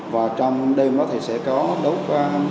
và trong đêm đó sẽ có đốt